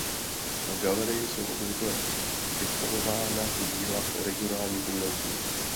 V galerii jsou obvykle vystavována díla regionálních umělců.